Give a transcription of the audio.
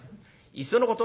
いっそのこと